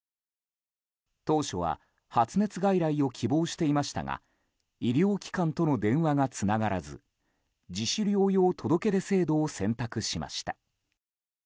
当初は発熱外来を希望していましたが医療機関との電話がつながらず自主療養届出制度を選択しました。